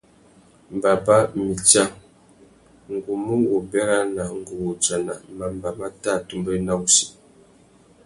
Baba, mitsa, ngu mù wô bérana ngu wô udjana mamba mà tà atumbéwena wussi.